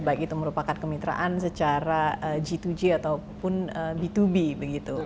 baik itu merupakan kemitraan secara g dua g ataupun b dua b begitu